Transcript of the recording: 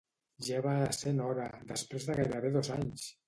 Ja va essent hora després de gairebé dos anys!